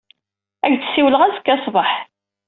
Ad ak-d-ssiwleɣ azekka ṣṣbeḥ.